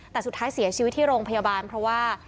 แต่สุดท้ายเสียชีวิตที่โรงพยาบาลเพราะว่า